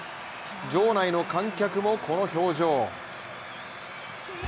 場内の観客もこの表情。